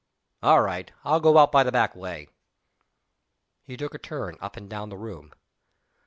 "All right. I'll go out by the back way." He took a turn up and down the room.